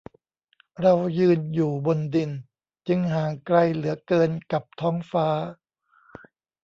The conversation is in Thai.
"เรายืนอยู่บนดิน จึงห่างไกลเหลือเกินกับท้องฟ้า"